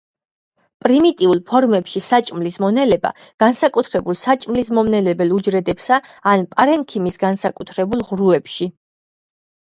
პრიმიტიულ ფორმებში საჭმლის მონელება განსაკუთრებულ საჭმლის მომნელებელ უჯრედებსა ან პარენქიმის განსაკუთრებულ ღრუებში.